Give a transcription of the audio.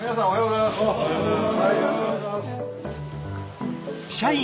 おはようございます。